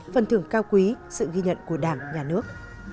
phần thưởng cao quý sự ghi nhận của đảng nhà nước